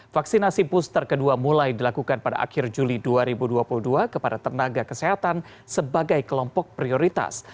vaksinasi booster kedua mulai dilakukan pada akhir juli dua ribu dua puluh dua kepada tenaga kesehatan sebagai kelompok prioritas